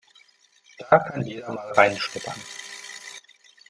Da kann jeder mal reinschnuppern.